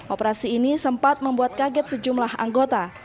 operasi ini sempat membuat kaget sejumlah anggota